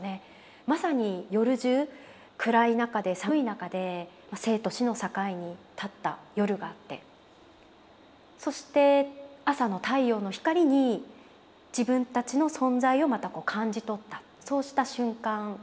まさに夜じゅう暗い中で寒い中で生と死の境に立った夜があってそして朝の太陽の光に自分たちの存在をまた感じ取ったそうした瞬間でしたね。